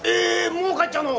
もう帰っちゃうの？